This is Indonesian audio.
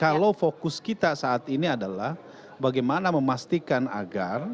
kalau fokus kita saat ini adalah bagaimana memastikan agar